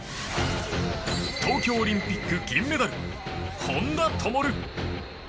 東京オリンピック銀メダル本多灯。